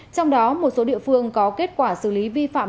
trong đó một số địa phương có kết quả xử lý vi phạm